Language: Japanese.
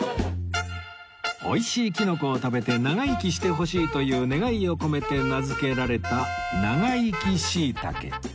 美味しいきのこを食べて長生きしてほしいという願いを込めて名付けられた長生き椎茸